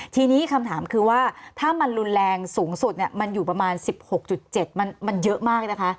ทีนี้คำถามคือว่าถ้ามันรุนแรงสูงสุดมันอยู่ประมาณ๑๖๗มันเยอะมากนะคะ